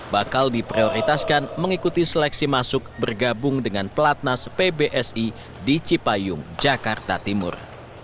bakal diprioritaskan mengikuti seleksi masuk bergabung dengan pelatnas pbsi di cipayung jakarta timur